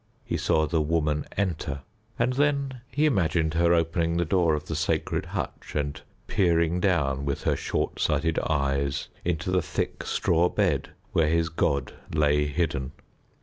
He saw the Woman enter, and then he imagined her opening the door of the sacred hutch and peering down with her short sighted eyes into the thick straw bed where his god lay hidden.